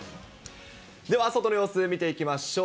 では外の様子、見ていきましょう。